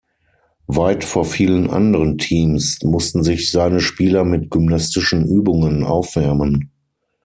Weit vor vielen anderen Teams, mussten sich seine Spieler mit gymnastischen Übungen aufwärmen.